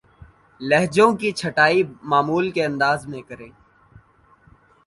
لہجوں کی چھٹائی معمول کے انداز میں کریں